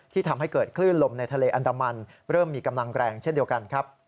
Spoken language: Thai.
ทำให้เกิดคลื่นลมในทะเลอันดามันเริ่มมีกำลังแรงเช่นเดียวกันครับ